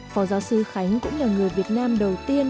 phó giáo sư khánh cũng là người việt nam đầu tiên